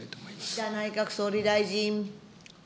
岸田内閣総理大臣。